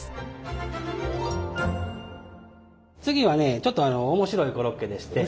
次はねちょっと面白いコロッケでして。